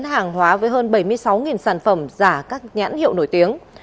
hàng hóa với hơn bảy mươi sáu sản phẩm giả các nhãn hiệu nổi tiếng